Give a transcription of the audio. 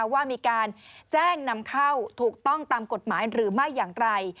ว่ามีการแจ้งนำเข้าถูกต้องตามกฎหมายหรือไม่อย่างไร